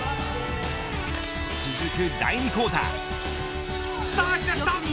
続く第２クオーター。